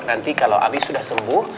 nanti kalau abi sudah sembuh